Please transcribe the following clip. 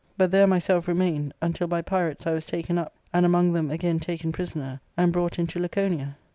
But there myself remained, until by pirates I was taken up, and among them again taken prisoner and brought into Laconia."